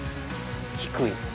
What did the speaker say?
低い。